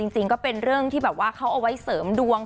จริงก็เป็นเรื่องที่แบบว่าเขาเอาไว้เสริมดวง